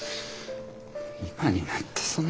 今になってそんな。